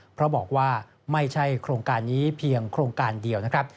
เพราะบอกว่าไม่ใช่โครงการนี้เพียงโครงการเดียวนะครับ